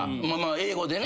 英語でね。